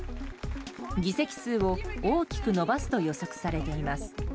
議席数を大きく伸ばすと予測されています。